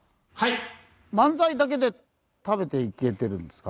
漫才だけで食べていけてるんですか？